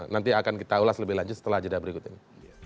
nanti akan kita ulas lebih lanjut setelah jeda berikut ini